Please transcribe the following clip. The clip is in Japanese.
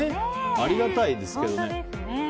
ありがたいですけどね。